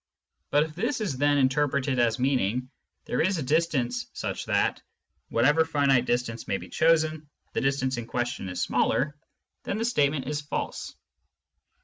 But if this is then interpreted as mean ing " there is a distance such that, whatever finite distance may be chosen, the distance in question is smaller," then the statement is false.